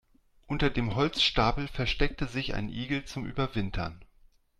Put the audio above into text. Unter dem Holzstapel versteckte sich ein Igel zum Überwintern.